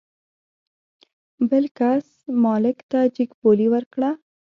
بل کس مالک ته جګ بولي ورکړه.